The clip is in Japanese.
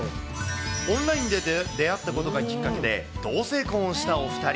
オンラインで出会ったことがきっかけで、同性婚をしたお２人。